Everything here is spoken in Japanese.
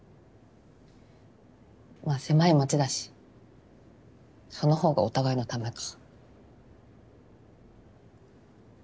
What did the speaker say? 狭い町だしその方がお互いのためか。